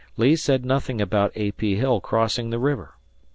Lee said nothing about A. P. Hill crossing the river.